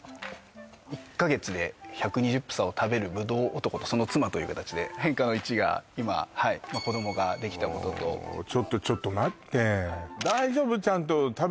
「１か月で１２０房を食べるぶどう男とその妻」という形で変化の１が今はい子どもができたこととちょっとちょっと待って大丈夫？